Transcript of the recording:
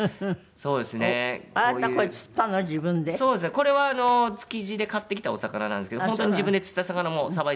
これは築地で買ってきたお魚なんですけど本当に自分で釣った魚もさばいて食べたりもするので。